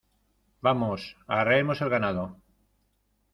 Vamos, arreemos al ganado.